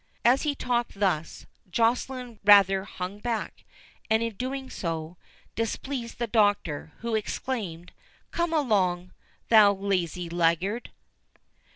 As he talked thus, Joceline rather hung back, and, in doing so, displeased the Doctor, who exclaimed, "Come along, thou lazy laggard!